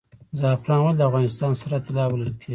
زعفران ولې د افغانستان سره طلا بلل کیږي؟